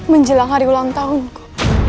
menjelang hari ulang tahunku